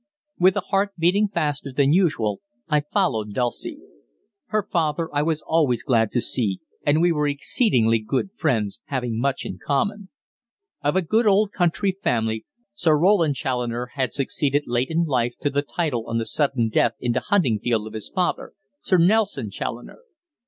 With a heart beating faster than usual I followed Dulcie. Her father I was always glad to see, and we were exceedingly good friends, having much in common. Of a good old county family, Sir Roland Challoner had succeeded late in life to the title on the sudden death in the hunting field of his father, Sir Nelson Challoner.